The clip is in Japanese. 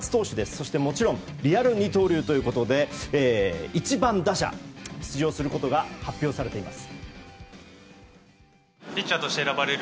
そしてリアル二刀流ということで１番打者で出場することが発表されています。